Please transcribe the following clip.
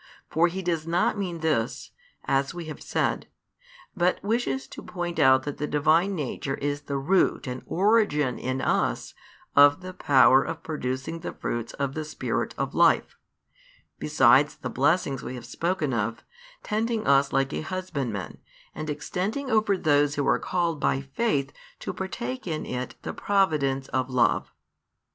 For He does not mean this, as we have said; but wishes to point out that the Divine Nature is the root and origin in us of the power of producing the fruits of the Spirit of life, besides the blessings we have spoken of, tending us like a husbandman, and extending over those who are called by faith to partake in it the providence of love.